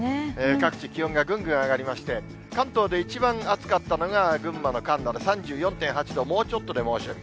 各地、気温がぐんぐん上がりまして、関東で一番暑かったのが群馬の神流で３４．８度、もうちょっとで猛暑日。